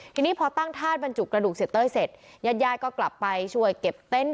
ทีนี้พอตั้งธาตุบรรจุกระดูกเสียเต้ยเสร็จญาติญาติก็กลับไปช่วยเก็บเต็นต์